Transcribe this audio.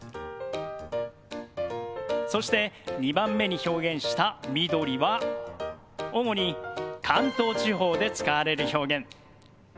そして２番目に表現した「みどり」は主に関東地方で使われる表現。